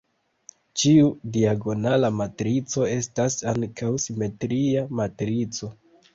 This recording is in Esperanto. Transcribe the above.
Ĉiu diagonala matrico estas ankaŭ simetria matrico.